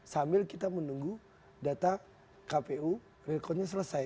sambil kita menunggu data kpu real cornnya selesai